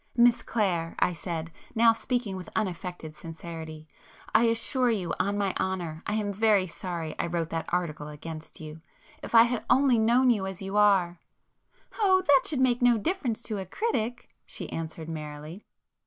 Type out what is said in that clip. "Miss Clare," I said, now speaking with unaffected sincerity—"I assure you, on my honour, I am very sorry I wrote that article against you. If I had only known you as you are—" "Oh, that should make no difference to a critic!" she answered merrily.